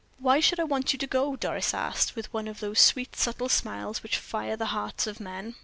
"Why should I want you to go?" Doris asked, with one of those sweet, subtle smiles which fire the hearts of men.